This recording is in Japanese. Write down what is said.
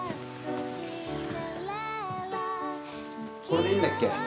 これでいいんだっけ？